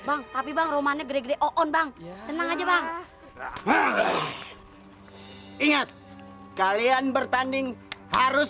hai bang tapi bang romanya gede gede on bang tenang aja bang ingat kalian bertanding harus